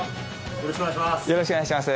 よろしくお願いします。